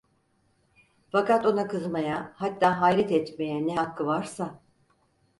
Fakat ona kızmaya, hatta hayret etmeye ne hakkı varsa?